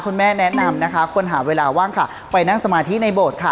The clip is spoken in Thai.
คุณแม่แนะนำนะคะควรหาเวลาว่างค่ะไปนั่งสมาธิในโบสถ์ค่ะ